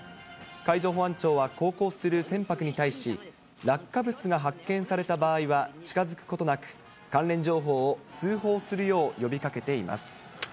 海上保安庁は航行する船舶に対し、落下物が発見された場合は、近づくことなく、関連情報を通報するよう呼びかけています。